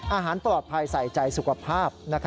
อาหารปลอดภัยใส่ใจสุขภาพ